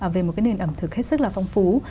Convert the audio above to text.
về nền ẩm thực hết sức phong phú